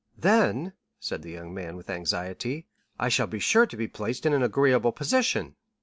"Then," said the young man, with anxiety, "I shall be sure to be placed in an agreeable position."